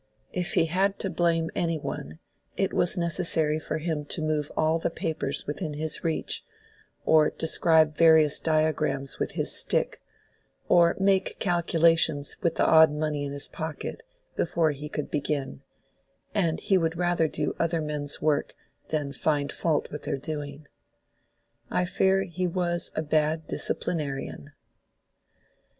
If he had to blame any one, it was necessary for him to move all the papers within his reach, or describe various diagrams with his stick, or make calculations with the odd money in his pocket, before he could begin; and he would rather do other men's work than find fault with their doing. I fear he was a bad disciplinarian.